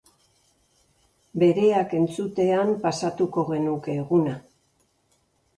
Bereak entzutean pasatuko genuke eguna.